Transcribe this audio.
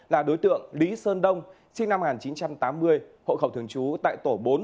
là đối tượng lý sơn đông sinh năm một nghìn chín trăm tám mươi hộ khẩu thường trú tại tổ bốn